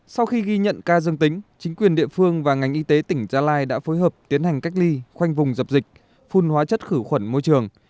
sau khi ghi nhận ca dương tính chính quyền địa phương và ngành y tế tỉnh gia lai đã phối hợp tiến hành cách ly khoanh vùng dập dịch phun hóa chất khử khuẩn môi trường